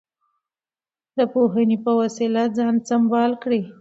د پوهې په وسله ځان سمبال کړئ.